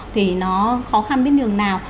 thì nó khó khăn biết đường nào